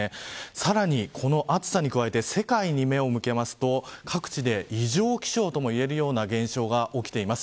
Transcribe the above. さらにこの暑さに加えて世界に目を向けると各地で異常気象ともいえるような現象が起きています。